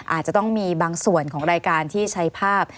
อาจจะต้องมีบางส่วนของรายการที่ใช้ภาพ